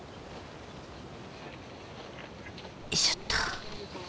よいしょっと！